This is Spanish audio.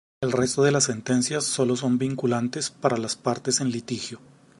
El resto de las sentencias sólo son vinculantes para las partes en litigio.